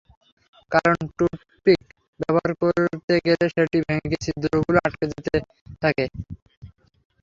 কারণ টুথপিক ব্যবহার করতে গেলে সেটি ভেঙে গিয়ে ছিদ্রগুলো আটকে যেতে পারে।